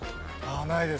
ないです。